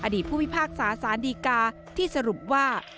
ผู้พิพากษาสารดีกาที่สรุปว่า